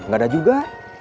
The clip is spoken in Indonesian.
gak ada juga